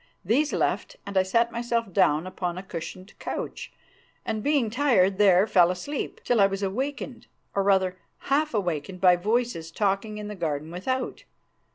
These left, and I sat myself down upon a cushioned couch, and, being tired, there fell asleep, till I was awakened, or, rather, half awakened by voices talking in the garden without.